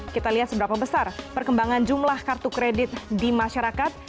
kita lihat seberapa besar perkembangan jumlah kartu kredit di masyarakat